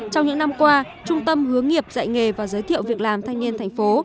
trong những năm qua trung tâm hướng nghiệp dạy nghề và giới thiệu việc làm thanh niên thành phố